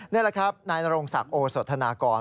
นี่แหละครับนายนโรงศักดิ์โอสธนากร